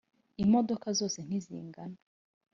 imodoka zose ntizingana.